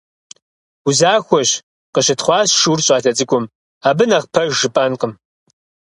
Узахуэщ,- къыщытхъуащ шур щӏалэ цӏыкӏум. - Абы нэхъ пэж жыпӏэнкъым.